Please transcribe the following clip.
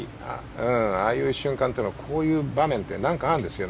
ああいう瞬間はこういう場面で何かあるんですよ。